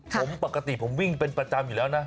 ผมปกติผมวิ่งเป็นประจำอยู่แล้วนะ